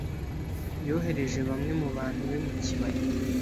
Yohereje bamwe mu bantu be mu kibaya.